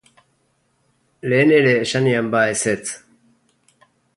Lehen ere esan nian ba ezetz!.